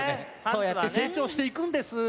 そうやってせいちょうしていくんです。